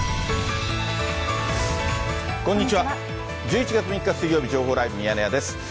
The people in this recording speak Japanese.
１１月３日水曜日、情報ライブミヤネ屋です。